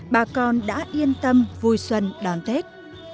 bà con đã yên tâm vui xuân đón tết